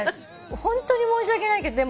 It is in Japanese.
ホントに申し訳ないけど。